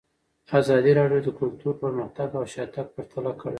ازادي راډیو د کلتور پرمختګ او شاتګ پرتله کړی.